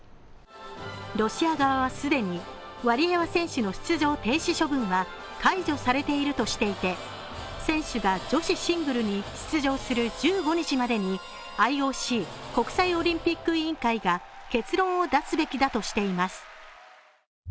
ロシア側は既にワリエワ選手の出場停止処分は解除されているとしていて、選手が女子シングルに出場する１５日までにＩＯＣ＝国際オリンピック委員会が結論を出すべきだとしています。